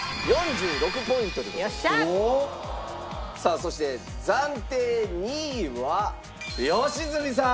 さあそして暫定２位は良純さん！